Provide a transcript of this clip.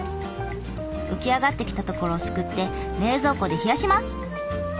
浮き上がってきたところをすくって冷蔵庫で冷やします。